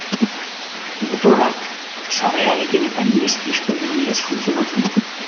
Motorrak, sarrerarekin eta ihes-pistoien bidez funtzionatzen du.